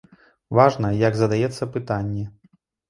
Важна, як задаецца пытанне.